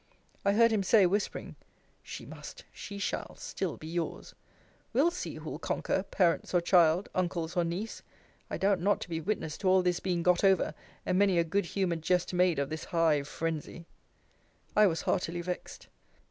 I heard him say, whispering, She must, she shall, still be yours. We'll see, who'll conquer, parents or child, uncles or niece. I doubt not to be witness to all this being got over, and many a good humoured jest made of this high phrensy! I was heartily vexed.